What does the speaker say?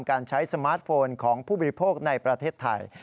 การใช้สมาร์ทโฟนของผู้บริโภคในประเทศไทย